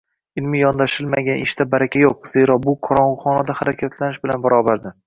Ilmiy yondashilmagan ishda baraka yo‘q, zero bu qorong‘u xonada harakatlanish bilan barobardir.